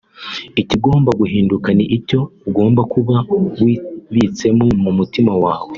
“Ikigomba guhinduka ni icyo ugomba kuba wibitseho mu mutima wawe